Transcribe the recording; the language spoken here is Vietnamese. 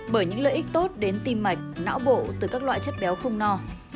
bởi những lợi ích tốt đến tim mạch não bộ từ các loại chất béo không no